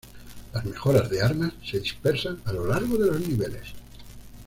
Las mejoras de armas se dispersan a lo largo de los niveles.